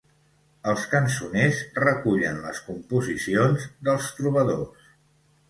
Els cançoners recullen les composicions dels trobadors.